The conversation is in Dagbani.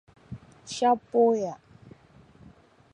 Shɛb’ pooya.